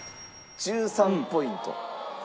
１３ポイント。